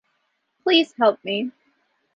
Please help me.